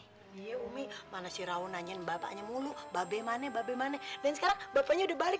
iya umi mana si rawon nanyain bapaknya mulu babe mane babe mane dan sekarang bapaknya udah balik